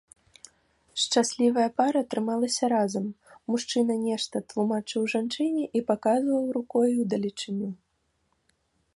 Шчаслівая пара трымалася разам, мужчына нешта тлумачыў жанчыне і паказваў рукой удалечыню.